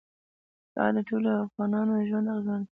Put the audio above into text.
زراعت د ټولو افغانانو ژوند اغېزمن کوي.